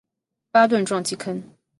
巴顿撞击坑